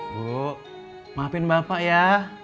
bu maafin bapak ya